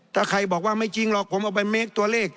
ถ้าใครบอกว่าไม่จริงหรอกผมเอาไปเมคตัวเลข